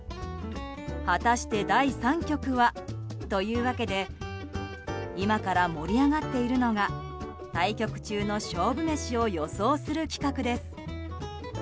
果たして第３局はというわけで今から盛り上がっているのが対局中の勝負メシを予想する企画です。